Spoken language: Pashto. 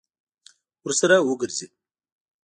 ورسره وګرځي.